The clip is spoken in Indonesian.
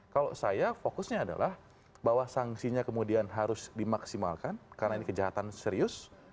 kalau saya fokusnya adalah bahwa sanksinya kemudian harus dimaksimalkan karena ini kejahatan serius